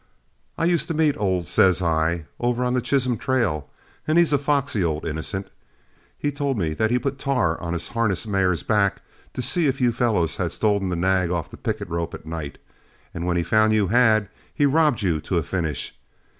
I used to meet old 'Says I' over on the Chisholm trail, and he's a foxy old innocent. He told me that he put tar on his harness mare's back to see if you fellows had stolen the nag off the picket rope at night, and when he found you had, he robbed you to a finish.